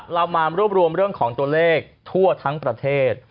เรามารวบรวมเรื่องของตัวเลขทั่วทั้งประเทศ